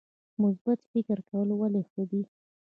مثبت فکر کول ولې ښه دي؟